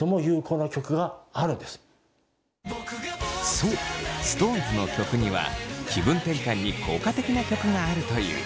そうＳｉｘＴＯＮＥＳの曲には気分転換に効果的な曲があるという。